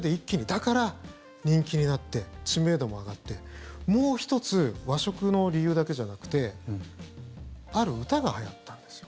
だから、人気になって知名度も上がってもう１つ和食の理由だけじゃなくてある歌がはやったんですよ